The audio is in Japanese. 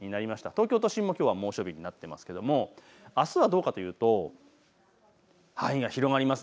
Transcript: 東京都心もきょうは猛暑日になってますけどもあすはどうかというと、範囲が広がります。